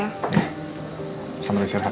eh selamat istirahat